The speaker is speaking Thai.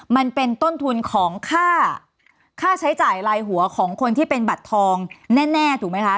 มันเป็นต้นทุนของค่าใช้จ่ายลายหัวของคนที่เป็นบัตรทองแน่ถูกไหมคะ